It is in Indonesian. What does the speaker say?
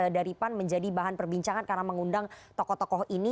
daripan menjadi bahan perbincangan karena mengundang tokoh tokoh ini